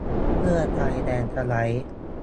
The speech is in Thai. เพื่อไทยแลนด์สไลด์